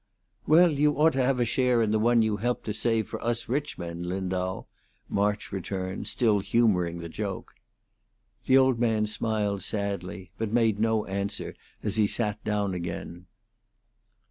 "Well, you ought to have a share in the one you helped to save for us rich men, Lindau," March returned, still humoring the joke. The old man smiled sadly, but made no answer as he sat down again.